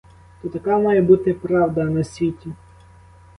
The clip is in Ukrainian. То така має бути правда на світі?